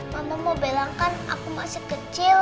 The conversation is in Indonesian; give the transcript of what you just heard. mama mau bilang kan aku masih kecil